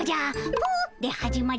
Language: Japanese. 「ぷ」で始まり。